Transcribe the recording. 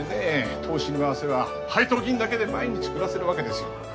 投資に回せば配当金だけで毎日暮らせるわけですよ。